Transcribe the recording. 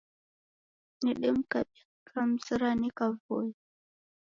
Nedemkabia nikamzra neka Voi.